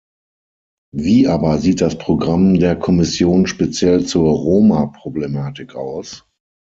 Wie aber sieht das Programm der Kommission speziell zur Roma-Problematik aus?